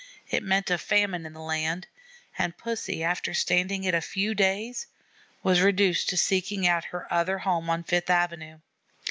It meant a famine in the land, and Pussy, after standing it a few days, was reduced to seeking her other home on Fifth Avenue.